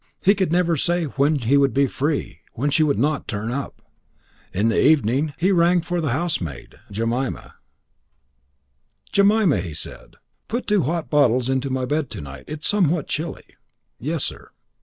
He could never say when he would be free, when she would not turn up. In the evening he rang for the housemaid. "Jemima," he said, "put two hot bottles into my bed to night. It is somewhat chilly." "Yes, sir."